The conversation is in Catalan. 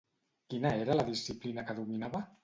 Quina era la disciplina que dominava?